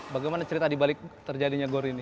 bagaimana cerita di balik terjadinya gor ini